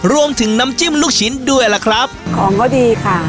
รวมถึงน้ำจิ้มลูกชิ้นด้วยล่ะครับของก็ดีค่ะ